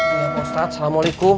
iya pak ustad assalamualaikum